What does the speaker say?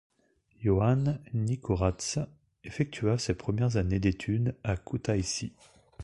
Johann Nikuradse effectua ses premières années d'étude à Koutaïssi.